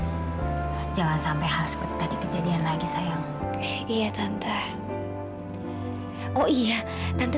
hati hati ya jangan sampai hal seperti tadi kejadian lagi sayang iya tante oh iya tante